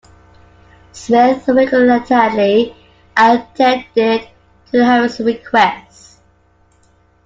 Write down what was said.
Smith reluctantly acceded to Harris's requests.